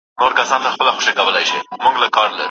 ناوړه دودونه بايد په نښه کړل سي.